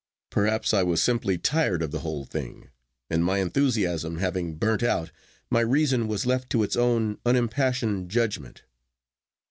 Perhaps I was simply tired of the whole thing, and, my enthusiasm having burnt out, my reason was left to its own unimpassioned judgment.